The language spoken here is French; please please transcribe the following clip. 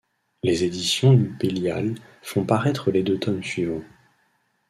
Les éditions du Bélial' font paraître les deux tomes suivants.